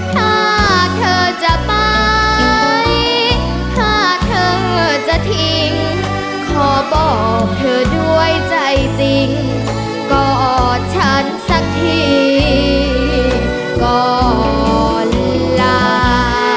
ถ้าเธอจะไปถ้าเธอจะทิ้งขอบอกเธอด้วยใจจริงกอดฉันสักทีก่อนลา